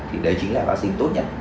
thì đấy chính là vaccine tốt nhất